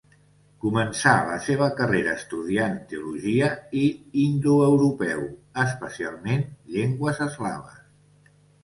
Començà la seva carrera estudiant teologia i indoeuropeu, especialment llengües eslaves.